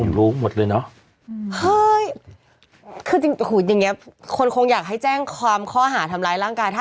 รู้หมดเลยเนอะเฮ้ยคือจริงหูอย่างเงี้คนคงอยากให้แจ้งความข้อหาทำร้ายร่างกายถ้า